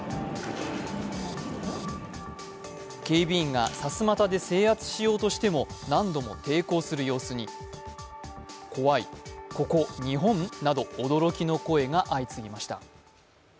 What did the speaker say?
警備員がさすまたで制圧しようとしても何度も抵抗する様子に、怖い、ここ日本？など驚きの声が相次ぎました。